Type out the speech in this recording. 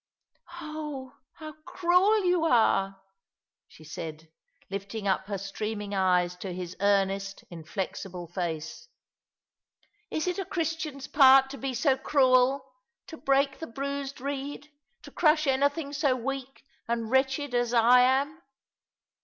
" Oh, how cruel you are 1 " she said, lifting up her stream ing eyes to his earnest, inflexible face. " Is it a Christian's part to be so cruel, to break the bruised reed, to crush any thing so weak and wretched as I am?